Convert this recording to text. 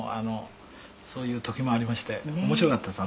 「そういう時もありまして面白かったです